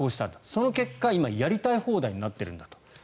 その結果、今やりたい放題になっているんだと。